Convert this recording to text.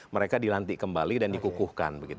mereka dilantik kembali dan dikukuhkan